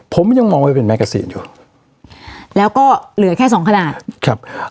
ผมยังมองว่าเป็นแกซีนอยู่แล้วก็เหลือแค่สองขนาดครับ